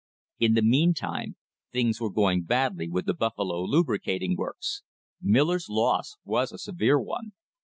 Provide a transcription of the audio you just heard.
In the meantime things were going badly with the Buffalo Lubricating Works. Miller's loss was a severe one.